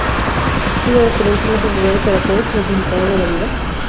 Una de las preguntas más populares era "cuál es el significado de la vida?".